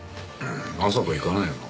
まさか行かねえよな。